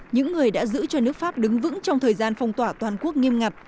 những người đã giữ cho nước pháp đứng vững trong thời gian phong tỏa toàn quốc nghiêm ngặt